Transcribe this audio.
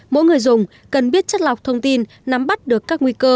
mỗi người dùng cần biết chất lọc thông tin nắm bắt được các nguy cơ